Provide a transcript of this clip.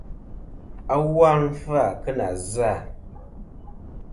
Awu a nɨn fɨ-à kɨ nà zɨ-à.